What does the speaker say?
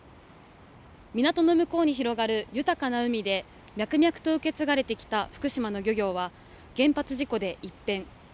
港の向こうに広がる豊かな海で脈々と受け継がれてきた福島の漁業は原発事故で一変。